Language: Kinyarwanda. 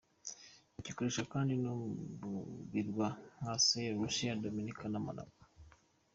Gikoreshwa kandi no mu birwa nka Saint Lucia, Dominica na Monaco.